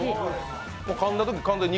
かんだとき完全に肉？